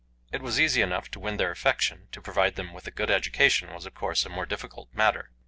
It was easy enough to win their affection; to provide them with a good education was of course a more difficult matter.